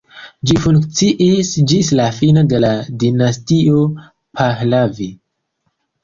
Ĝi funkciis ĝis la fino de la dinastio Pahlavi.